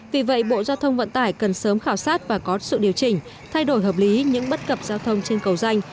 vì vậy bộ giao thông vận tải cần sớm khảo sát và có sự điều chỉnh thay đổi hợp lý những bất cập giao thông trên cầu danh